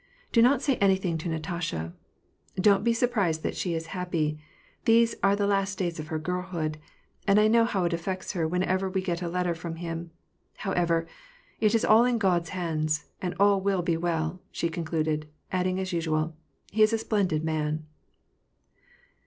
Do not say anything to Natasha. Don't be surprised that she is happy : these are the last days of her girlhood ; and I know how it affects her whenever we get a letter from him. However, it is all in God's hands, and all will be well," she concluded ; adding as usual, " He is a splendid man."